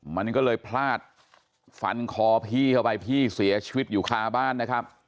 มันก็เลยพลาดฟันคอพี่เข้าไปพี่เสียชีวิตอยู่คาบ้านนะครับ